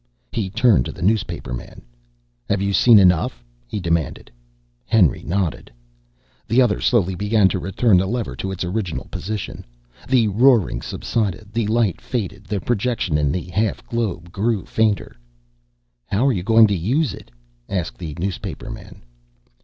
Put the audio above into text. He turned to the newspaperman. "Have you seen enough?" he demanded. Henry nodded. The other slowly began to return the lever to its original position. The roaring subsided, the light faded, the projection in the half globe grew fainter. "How are you going to use it?" asked the newspaperman.